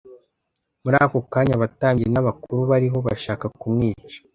Muri ako kanya abatambyi n'abakuru bariho bashaka kumwica.